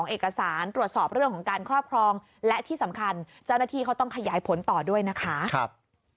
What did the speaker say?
เอกสารตรวจสอบเรื่องของการครอบครองและที่สำคัญเจ้าหน้าที่เขาต้องขยายผลต่อด้วยนะคะ